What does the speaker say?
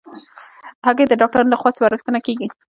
هګۍ د ډاکټرانو له خوا سپارښتنه کېږي.